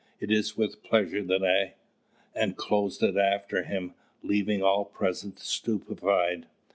It is with pleasure that I " and closed it after him, leaving all present stupefied.